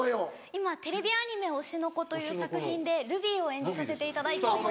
今テレビアニメ『推しの子』という作品でルビーを演じさせていただいております。